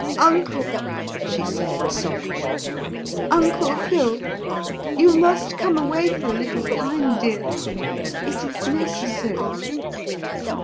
"Uncle!" she said softly. "Uncle Phil! You must come away for a little time, dear. It is necessary."